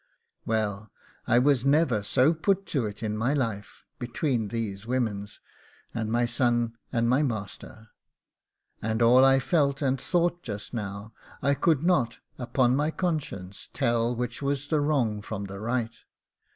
Well, I was never so put to it in my life: between these womens, and my son and my master, and all I felt and thought just now, I could not, upon my conscience, tell which was the wrong from the right.